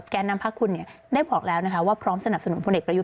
แกนำพักคุณได้บอกแล้วว่าพร้อมสนับสนุนผู้เด็กกระยุด